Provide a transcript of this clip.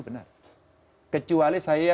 benar kecuali saya